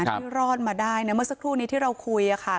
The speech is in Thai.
ที่รอดมาได้นะเมื่อสักครู่นี้ที่เราคุยค่ะ